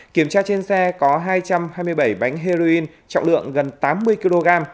kiểm tra trên xe có hai trăm hai mươi bảy bánh heroin trọng lượng gần tám mươi kg